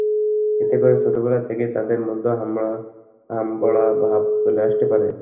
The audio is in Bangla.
এতে করে ছোটবেলা থেকেই তাদের মধ্যে হামবড়া ভাব চলে আসতে পারে।